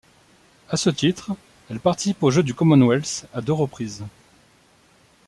À ce titre, elle participe aux Jeux du Commonwealth à deux reprises.